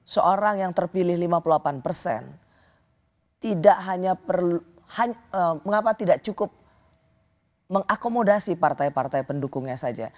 seorang yang terpilih lima puluh delapan persen tidak hanya perlu mengapa tidak cukup mengakomodasi partai partai pendukungnya saja